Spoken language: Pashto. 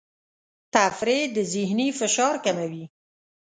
تفریح د ذهني فشار کموي.